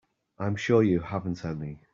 I'm sure you haven't any.